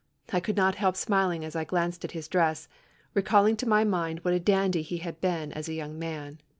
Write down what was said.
I could not help smiling as I glanced at his dress recalling to my mind what a dandy he had been as a young man."